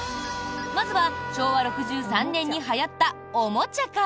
まずは昭和６３年にはやったおもちゃから！